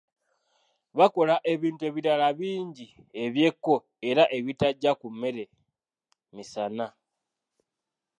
Bakola ebintu ebirala bingi eby'ekko era ebitajja ku mmere misana.